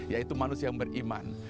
yaitu manusia yang beriman